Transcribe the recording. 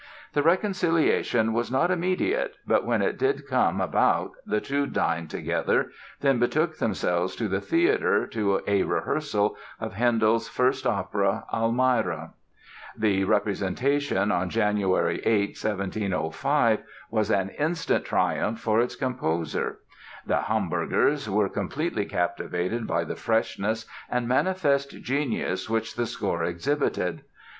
The reconciliation was not immediate but when it did come about the two dined together, then betook themselves to the theatre to a rehearsal of Handel's first opera, "Almira." The representation, on January 8, 1705, was an instant triumph for its composer. The Hamburgers were completely captivated by the freshness and manifest genius which the score exhibited.